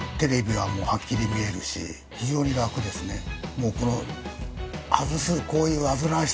もうこの。